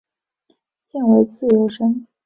现为自由身。